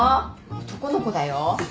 男の子だよ。